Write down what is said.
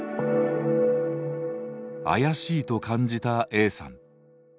怪しいと感じたＡさん。